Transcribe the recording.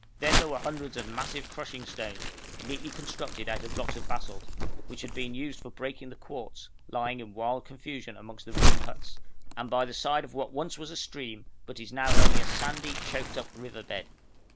Then there were hundreds of massive crushing stones, neatly constructed out of blocks of basalt, which had been used for breaking the quartz, lying in wild confusion amongst the ruined huts, and by the side of what once was a stream, but is now only a sandy, choked up river bed.